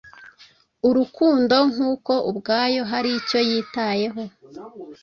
Urukundo ntkuko ubwayo hari icyo yitayeho,